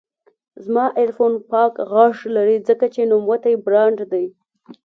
زما ایرفون پاک غږ لري، ځکه چې نوموتی برانډ دی.